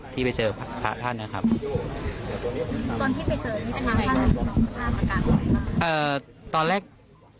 ตอนที่ไปเจอพระท่านความอากาศอะไรบ้าง